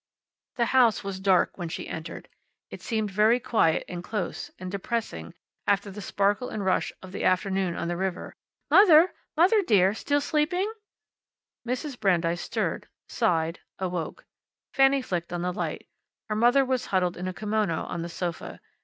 The house was dark when she entered. It seemed very quiet, and close, and depressing after the sparkle and rush of the afternoon on the river. "Mother! Mother dear! Still sleeping?" Mrs. Brandeis stirred, sighed, awoke. Fanny flicked on the light. Her mother was huddled in a kimono on the sofa.